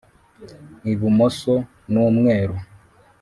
ibumoso n' umweru